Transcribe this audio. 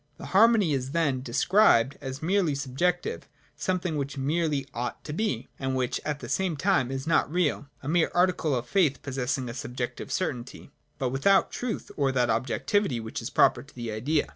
The harmony is then de scribed as merely subjective, something which merely ought to be, and which at the same time is not real, — a mere article of faith, possessing a subjective certainty, but without truth, or that objectivity which is proper to the Idea.